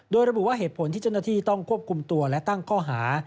โดยระบุว่าเหตุผลที่เจ้าหน้าที่ต้องควบคุมตัวและตั้งข้อหา